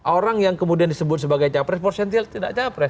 orang yang kemudian disebut sebagai capres potensial tidak capres